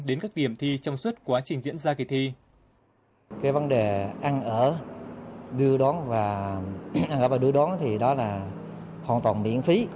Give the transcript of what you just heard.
đến các điểm thi trong suốt quá trình diễn ra kỳ thi